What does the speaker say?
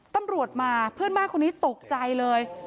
ตำรวจมาเพื่อนบ้านคนนี้ตกใจเลย